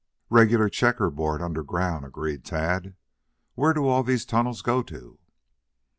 "Regular checker board under ground," agreed Tad. "Where do all those tunnels go to?"